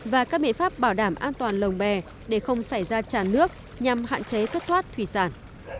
và các biện pháp bảo đảm an toàn lồng bè để không xảy ra tràn nước nhằm hạn chế thất thoát thủy sản